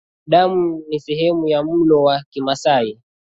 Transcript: Damu ni sehemu ya mlo wa kimasai